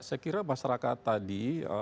saya kira masyarakat tadi